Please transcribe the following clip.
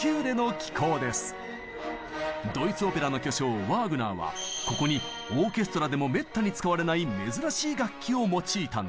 ドイツオペラの巨匠ワーグナーはここにオーケストラでもめったに使われない珍しい楽器を用いたんです。